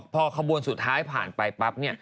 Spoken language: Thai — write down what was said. พอขบวนสุดท้ายฐานไปปั๊ป